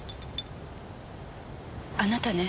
あなたね。